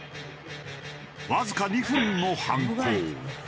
わずか２分の犯行。